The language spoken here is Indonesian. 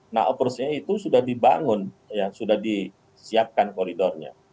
nah approach nya itu sudah dibangun sudah disiapkan koridornya